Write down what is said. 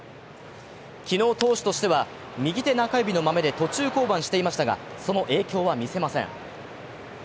昨日投手としては右手中指の豆で途中降板していましたがその影響は見せません。